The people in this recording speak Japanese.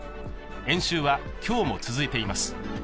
演習は今日も続いています。